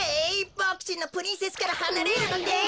ボクちんのプリンセスからはなれるのです！